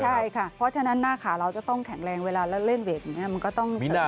ใช่ค่ะเพราะฉะนั้นหน้าขาเราจะต้องแข็งแรงเวลาเล่นเวทย์อย่างนี้มันก็ต้องเสริมตรงหน้าขา